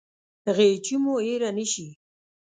غیچي مو هیره نه شي